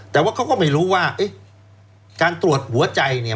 แต่ว่าเขาก็ไม่รู้ว่าเอ๊ะการตรวจหัวใจเนี่ย